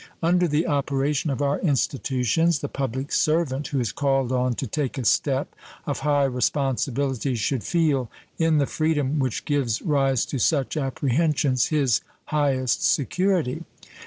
Under the operation of our institutions the public servant who is called on to take a step of high responsibility should feel in the freedom which gives rise to such apprehensions his highest security.